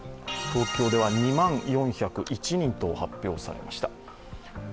東京では２万４０１人と発表されました。